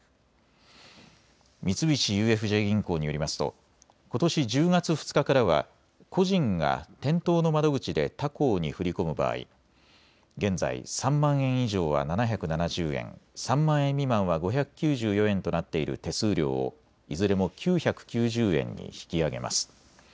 三菱ＵＦＪ銀行によりますとことし１０月２日からは個人が店頭の窓口で他行に振り込む場合、現在、３万円以上は７７０円、３万円未満は５９４円となっている手数料をいずれも９９０円に引き上げます。